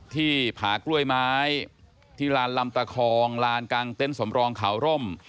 ที่ผากล้วยไม้ที่ลานลำตาคองลานกางเต้นสมรองขาวร่ม